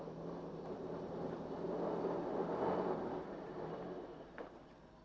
tapi semua itu demi keselamatan beno